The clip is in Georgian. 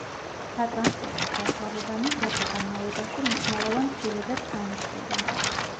სატრანსპორტო საშუალებანი დროთა განმავლობაში მნიშვნელოვან ცვლილებებს განიცდიდა.